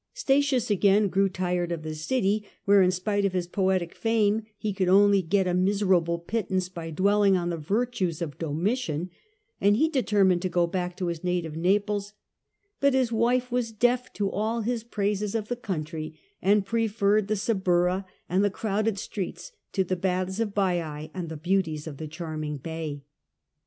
Statius, again, grew tired of the city, where in spite of his poetic fame he could only get a miserable pittance by dwelling on the virtues of Domitian, and he determined to go back to his native Naples ; but his wife was deaf to all his praises of the country, and preferred the Suburra and the crowded streets to the baths of Baiae and the beauties of the charming bay.